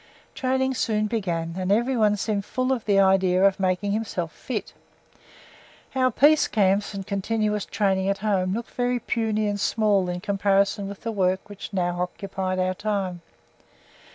Training soon began, and everyone seemed full of the idea of making himself "fit." Our peace camps and continuous training at home look very puny and small in comparison with the work which now occupied our time.